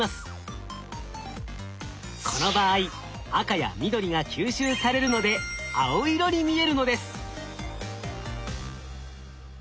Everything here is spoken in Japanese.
この場合赤や緑が吸収されるので青色に見えるのです。